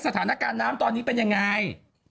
สถานการณ์น้ำตอนนี้เป็นยังไง